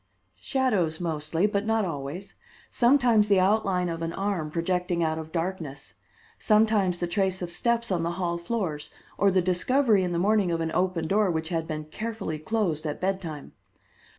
"Shadows mostly; but not always. Sometimes the outline of an arm projecting out of darkness; sometimes, the trace of steps on the hall floors, or the discovery in the morning of an open door which had been carefully closed at bedtime.